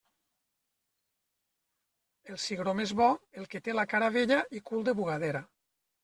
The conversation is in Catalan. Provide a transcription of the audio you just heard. El cigró més bo, el que té la cara vella i cul de bugadera.